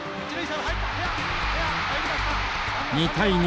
２対２。